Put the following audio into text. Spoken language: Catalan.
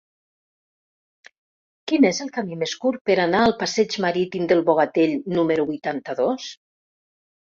Quin és el camí més curt per anar al passeig Marítim del Bogatell número vuitanta-dos?